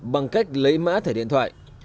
bằng cách lấy mã thẻ điện thoại